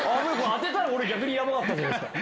当てたら俺逆にやばかったじゃないですか。